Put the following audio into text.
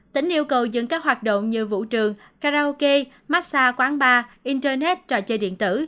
tỉnh yêu cầu dừng các hoạt động như vũ trường karaoke massage quán bar internet trò chơi điện tử